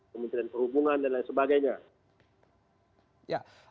kementerian perhubungan dan lain sebagainya